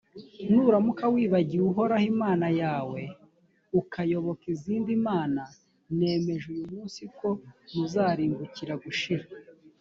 nuramuka wibagiwe uhoraho imana yawe, ukayoboka izindi mana, nemeje uyu munsi ko muzarimbukira gushira